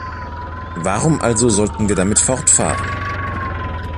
Warum also sollten wir damit fortfahren?